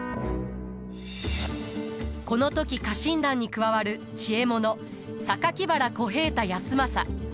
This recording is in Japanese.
この時家臣団に加わる知恵者原小平太康政。